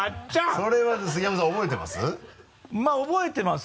それは杉山さん覚えてます？